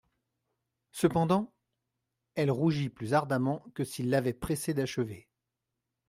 Cependant …» Elle rougit plus ardemment que s'il l'avait pressée d'achever.